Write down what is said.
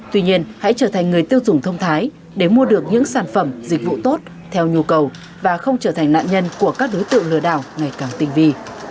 tuy nhiên hãy trở thành người tiêu dùng thông thái để mua được những sản phẩm dịch vụ tốt theo nhu cầu và không trở thành nạn nhân của các đối tượng lừa đảo ngày càng tinh vi